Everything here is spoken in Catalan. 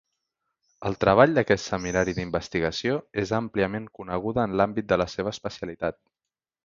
El treball d'aquest Seminari d'investigació és àmpliament coneguda en l'àmbit de la seva especialitat.